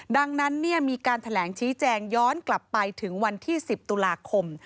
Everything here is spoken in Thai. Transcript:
ดังนั้นมีการแถลงชี้แจงย้อนกลับไปถึงวันที่๑๐ตุลาคม